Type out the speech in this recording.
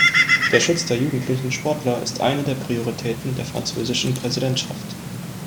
Der Schutz der jugendlichen Sportler ist eine der Prioritäten der französischen Präsidentschaft.